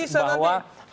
ya nggak bisa tadi